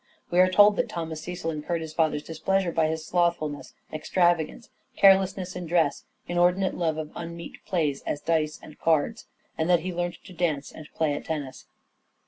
We are told that Thomas Cecil incurred his father's displeasure by his " slothfulness," " extravagance," " carelessness in dress," " inordinate love of unmeet plays, as dice and cards "; and that he learnt to dance and play at tennis.